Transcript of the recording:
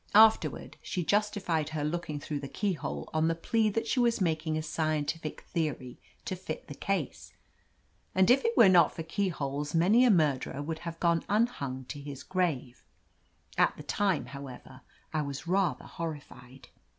Afterward, she justified her looking througK the keyhole on the plea that she was making a scientific theory to fit the case, and if it were not for keyholes many a murderer would have gone unhimg to his grave. At the time, how ever, I was rather horrified.